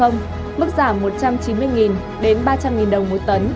mức giảm một trăm chín mươi đến ba trăm linh đồng một tấn